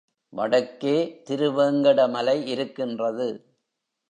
வடக்கே திருவேங்கட மலை இருக்கின்றது.